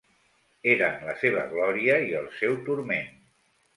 Eren la seva glòria i el seu turment.